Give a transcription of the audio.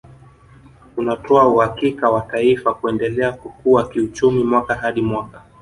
Unatoa uhakika wa taifa kuendelea kukua kiuchumi mwaka hadi mwaka